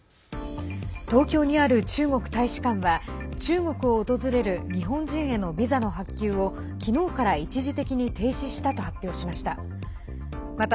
東京にある中国大使館は中国を訪れる日本人へのビザの発給を昨日から一時的に停止したと発表しました。